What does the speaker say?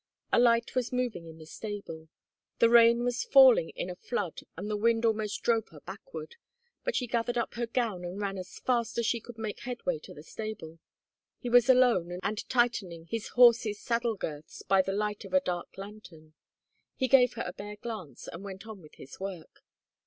A light was moving in the stable. The rain was falling in a flood and the wind almost drove her backward. But she gathered up her gown and ran as fast as she could make headway to the stable. He was alone, and tightening his horse's saddle girths by the light of a dark lantern. He gave her a bare glance and went on with his work.